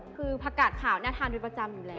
คือผักกาดขาวเนี่ยทานเป็นประจำอยู่แล้ว